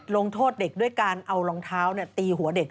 ลงโทษเด็กด้วยการเอารองเท้าตีหัวเด็ก